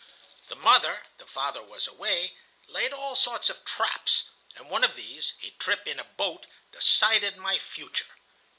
The mother (the father was away) laid all sorts of traps, and one of these, a trip in a boat, decided my future.